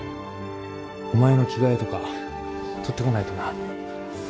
お前の着替えとか取ってこないとな。